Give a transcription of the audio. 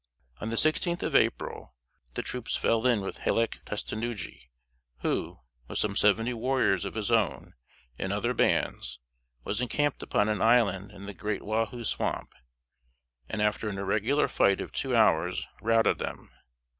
On the sixteenth of April, the troops fell in with Hallec Tustenuggee, who, with some seventy warriors of his own and other bands, was encamped upon an island in the Great Wahoo Swamp, and after an irregular fight of two hours, routed them.